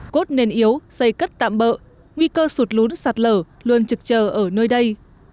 cốt nền yếu xây cất tạm bỡ nguy cơ sụt lún sạt lở luôn trực chờ ở nơi đây